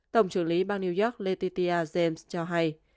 tổng trưởng lý bang new york letitia james cho hay